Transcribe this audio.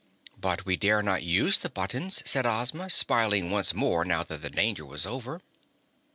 "But we dare not use the buttons," said Ozma, smiling once more now that the danger was over.